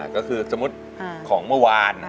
ก็คือสมมุติของเมื่อวาน